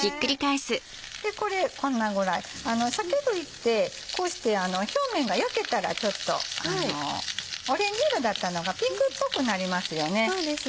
でこれこんなぐらい鮭類ってこうして表面が焼けたらちょっとオレンジ色だったのがピンクっぽくなりますよね。